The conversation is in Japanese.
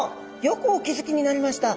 よくお気付きになりました。